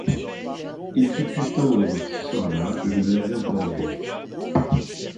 Il fut plus tendre, ce soir-là, que je ne l'avais encore vu.